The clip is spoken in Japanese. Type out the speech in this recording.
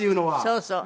そうそう。